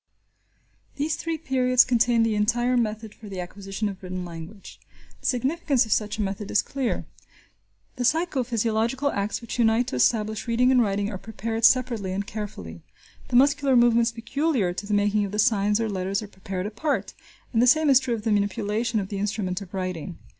These three periods contain the entire method for the acquisition of written language. The significance of such a method is clear. The psycho physiological acts which unite to establish reading and writing are prepared separately and carefully. The muscular movements peculiar to the making of the signs or letters are prepared apart, and the same is true of the manipulation of the instrument of writing.